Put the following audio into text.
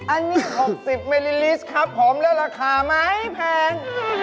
อันนี้๖๐มิลลิลิสต์ครับผมแล้วราคาไหมแพง